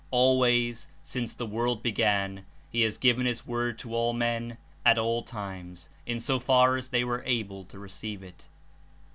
Always, "since the world began" he has given his Word to all men, at all times, in so far as they were able to receive it.